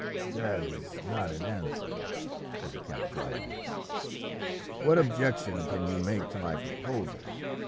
"That is not an answer," said the count drily. "What objection can you make to my proposal?